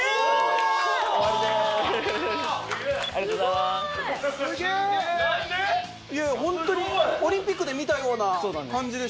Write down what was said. いやいや本当にオリンピックで見たような感じでしたよ。